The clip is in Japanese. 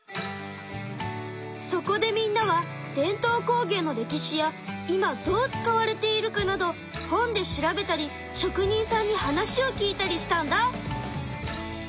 そこでみんなは伝統工芸の歴史や今どう使われているかなど本で調べたり職人さんに話を聞いたりしたんだ。